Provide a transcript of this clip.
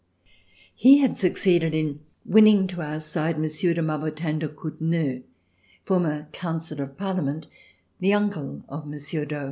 He had succeeded in winning to our side Monsieur de Marbotin de Couteneuil, former Counsellor of Parlement, the uncle of Monsieur d'Aux.